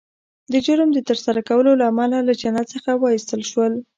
د جرم د ترسره کولو له امله له جنت څخه وایستل شول